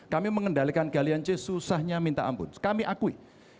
kami mengendalikan galiance susahnya minta ampun kami akui